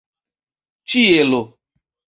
ĉielo